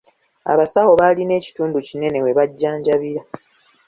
Abasawo baalina ekitundu kinene we bajjanjabira.